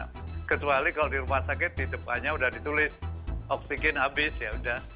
sekali kali kalau di rumah sakit di depannya sudah ditulis oksigen habis ya sudah